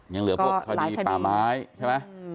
ยังเหลือพวกคดีป่าไม้ใช่ไหม